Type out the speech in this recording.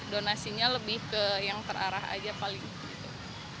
donasinya lebih ke yang terarah aja paling gitu